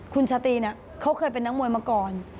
คุณชาตรีเขาเคยเป็นนักมวยมาก่อน